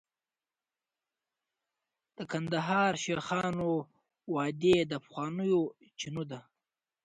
د کندهار شیخانو وادي د پخوانیو چینو ده